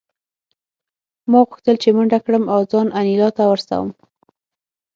ما غوښتل چې منډه کړم او ځان انیلا ته ورسوم